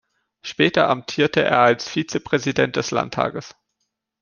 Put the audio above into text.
Später amtierte er als Vizepräsident des Landtages.